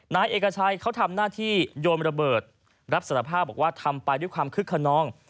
นายเอกชัยเขาทำหน้าที่โยนระเบิดรับสารภาพบอกว่าทำไปด้วยความคึกขนอง